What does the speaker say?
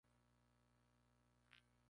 Él lo negó.